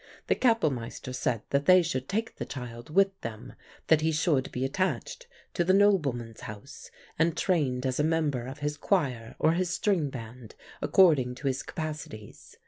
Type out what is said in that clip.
The Kapellmeister said that they should take the child with them; that he should be attached to the nobleman's house and trained as a member of his choir or his string band, according to his capacities.